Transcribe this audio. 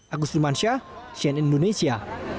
agus limansyah sien indonesia